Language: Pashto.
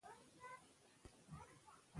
دوی په تاريخ کې يوازې افسانې ليکلي دي.